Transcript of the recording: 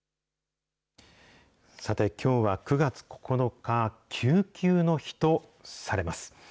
さて、きょうは９月９日、救急の日とされます。